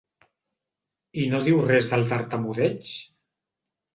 I no diu res del tartamudeig?